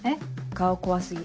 顔怖過ぎ。